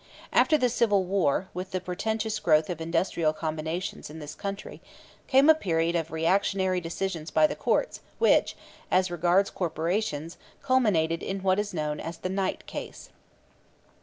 After the Civil War, with the portentous growth of industrial combinations in this country, came a period of reactionary decisions by the courts which, as regards corporations, culminated in what is known as the Knight case.